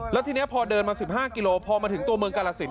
แล้วทีนี้พอเดินมาสิบห้ากิโลพอมาถึงตัวเมืองกาละศิลป์